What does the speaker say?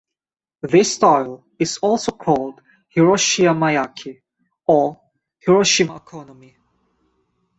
This style is also called "Hiroshima-yaki" or "Hiroshima-okonomi".